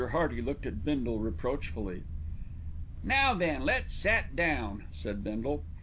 Hearty looked at Bindle reproachfully. "Now then, let's set down," said Bindle.